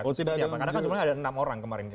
karena kan jumlahnya ada enam orang kemarin